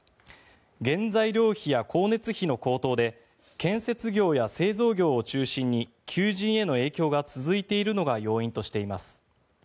原材料費や光熱費の高騰で建設業や製造業を中心に求人への影響が続いているのが要因としています。